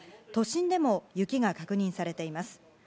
都心でも雪が確認されています。